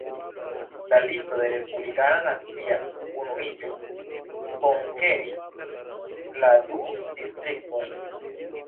La listo de respublikana nacia unuiĝo konkeris la du distriktojn.